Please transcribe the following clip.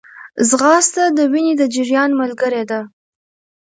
ځغاسته د وینې د جریان ملګری ده